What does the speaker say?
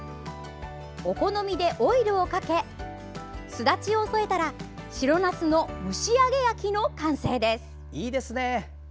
お好みでオイルをかけすだちを添えたら白なすの蒸し揚げ焼きの完成です。